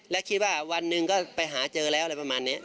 และคิดว่าวันหนึ่งก็ไปหาเจอแล้วอะไรประมาณนี้